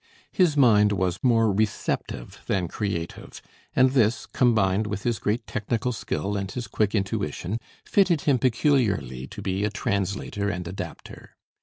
His mind was more receptive than creative, and this, combined with his great technical skill and his quick intuition, fitted him peculiarly to be a translator and adapter.